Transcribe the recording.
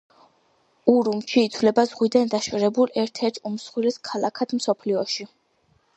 ურუმჩი ითვლება ზღვიდან დაშორებულ ერთ-ერთ უმსხვილეს ქალაქად მსოფლიოში.